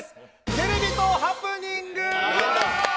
テレビとハプニング。